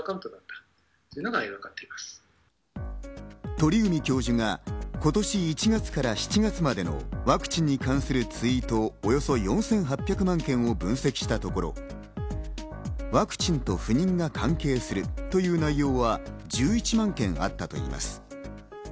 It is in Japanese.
鳥海教授が今年１月から７月までのワクチンに関するツイートをおよそ４８００万件を分析したところ、ワクチンと不妊が関係するという内容は１１万件あったといいます。